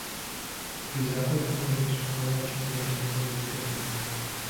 Gezaako okunoonya ensonga lwaki mubadde temuwuliziganya.